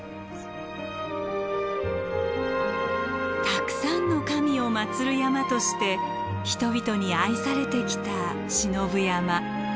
たくさんの神をまつる山として人々に愛されてきた信夫山。